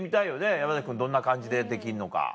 山君どんな感じでできんのか。